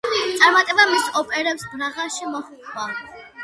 წარმატება მის ოპერებს პრაღაში მოჰყვა.